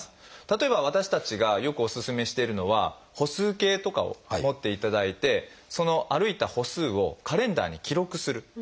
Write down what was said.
例えば私たちがよくお勧めしているのは歩数計とかを持っていただいてその歩いた歩数をカレンダーに記録する。